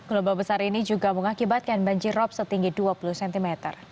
gelombang besar ini juga mengakibatkan banjir rob setinggi dua puluh cm